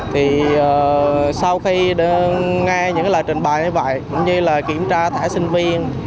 thì sau khi nghe những cái lời trình bày như vậy cũng như là kiểm tra thẻ sinh viên